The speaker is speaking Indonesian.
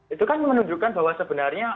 itu kan menunjukkan bahwa sebenarnya